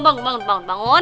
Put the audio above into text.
bangun bangun bangun